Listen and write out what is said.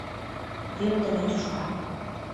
— Вемдыме тӱшка!